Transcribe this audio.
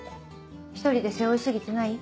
一人で背負い過ぎてない？